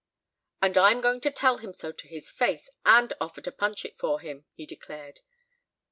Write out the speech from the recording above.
"And I'm going to tell him so to his face, and offer to punch it for him," he declared.